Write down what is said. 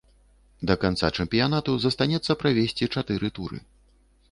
Да канца чэмпіянату застанецца правесці чатыры туры.